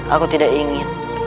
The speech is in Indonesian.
aku tidak ingin